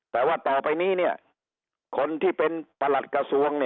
แต่ว่าต่อไปนี้คนที่เป็นประหลัดกระทรวง